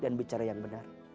dan bicara yang benar